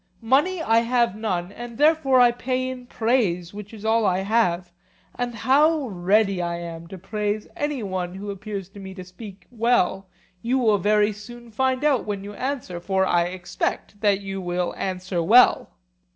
Money I have none, and therefore I pay in praise, which is all I have; and how ready I am to praise any one who appears to me to speak well you will very soon find out when you answer; for I expect that you will answer well.